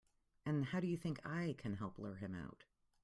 And how do you think I can help lure him out?